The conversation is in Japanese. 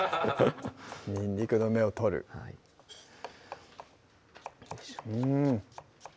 にんにくの芽を取るうん